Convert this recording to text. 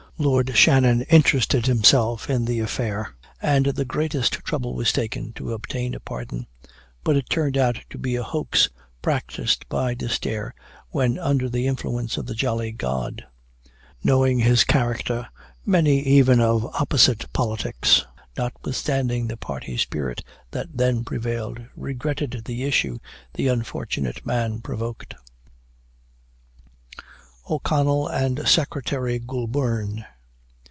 Lord Shannon interested himself in the affair, and the greatest trouble was taken to obtain a pardon. But it turned out to be a hoax practised by D'Esterre, when under the influence of the Jolly God. Knowing his character, many even of opposite politics, notwithstanding the party spirit that then prevailed, regretted the issue the unfortunate man provoked. O'CONNELL AND SECRETARY GOULBURN.